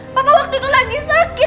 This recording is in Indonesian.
bapak waktu itu lagi sakit